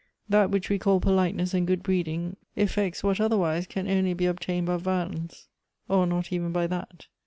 "That which we call politeness and good breeding effects what otherwise can only be obtained by violence, or not even by that.